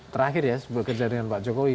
terakhir ya bekerja dengan pak jokowi